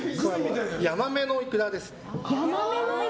ヤマメのイクラです。